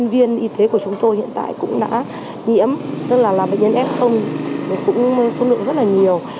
nhân viên y tế của chúng tôi hiện tại cũng đã nhiễm tức là bệnh nhân f cũng số lượng rất là nhiều